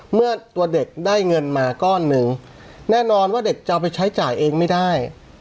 เมื่อตัวเด็กได้เงินมาก้อนหนึ่งแน่นอนว่าเด็กจะเอาไปใช้จ่ายเองไม่ได้